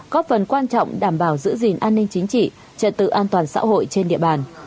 góp phần quan trọng đảm bảo giữ gìn an ninh chính trị trật tự an toàn xã hội trên địa bàn